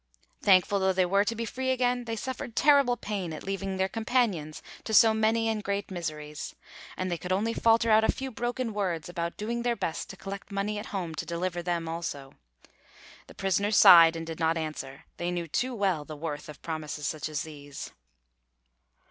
Thankful though they were to be free again, they suffered terrible pain at leaving their companions to so many and great miseries, and they could only falter out a few broken words about doing their best to collect money at home to deliver them also. The prisoners sighed and did not answer: they knew too well the worth of promises such as these.